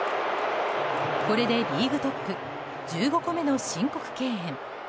これでリーグトップ１５個目の申告敬遠。